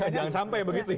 jangan sampai begitu ya